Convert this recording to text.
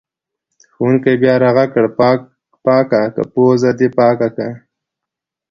ښوونکي بیا راغږ کړ: پاکه که پوزه دې پاکه که!